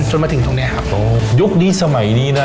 จนมาถึงตรงเนี้ยครับอ๋อยกนี้สมัยนี้น่ะ